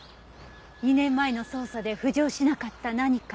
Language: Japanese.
２年前の捜査で浮上しなかった何か。